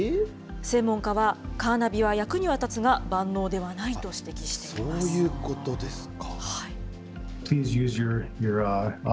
専門家はカーナビは役には立つが万能ではないと指摘していまそういうことですか。